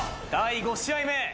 第５試合目。